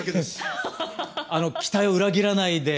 あの期待を裏切らないで。